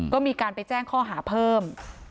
ก็มีการไปแจ้งข้อหาเพิ่ม